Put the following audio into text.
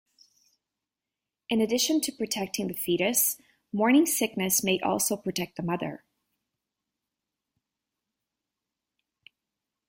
In addition to protecting the fetus, morning sickness may also protect the mother.